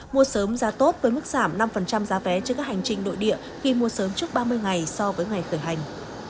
mua sớm giá tốt với mức giảm năm giá vé trên các hành trình nội địa khi mua sớm trước ba mươi ngày so với ngày khởi hành